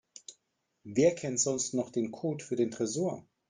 Wer kennt sonst noch den Code für den Tresor?